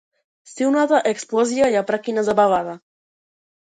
Силната експлозија ја прекина забавата.